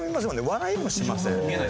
笑いもしません。